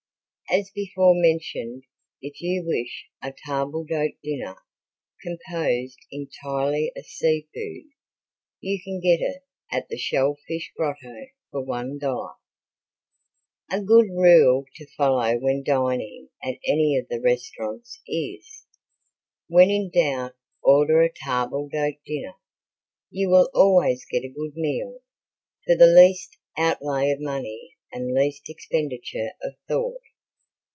As before mentioned if you wish a table d'hote dinner composed entirely of sea food you can get it at the Shell Fish Grotto for one dollar. A good rule to follow when dining at any of the restaurants is: When in doubt order a table d'hote dinner. You will always get a good meal, for the least out lay of money and least expenditure of thought.